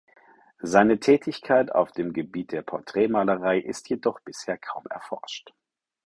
Seine Tätigkeit auf dem Gebiet der Porträtmalerei ist jedoch bisher kaum erforscht.